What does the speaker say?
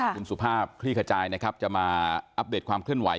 คุณสุภาพคลี่ขจายนะครับจะมาอัปเดตความเคลื่อนไห